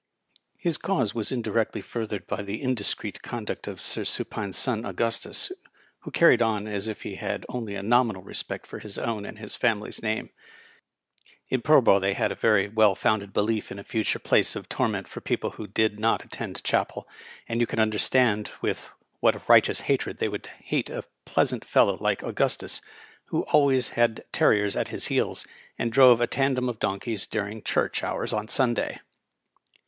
His cause was indirectly furthered by the indiscreet conduct of Sir Supine's son Augustus, who carried on as if he had only a nominal respect for his own and his family's name. In Pullborough they had a very well founded belief in a future place of torment for people who did not attend chapel, and you can understand with what a righteous hatred they would hate a pleasant fellow like Augustus, who always had terriers at his heels, and drove a tandem of donkeys during church hours on Sunday.